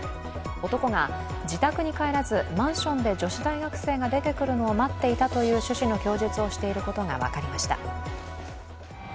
男が自宅に帰らずマンションで女子大学生が出てくるのを待っていたという趣旨の供述をしていることが分かりました。